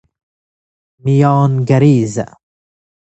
میانگریزه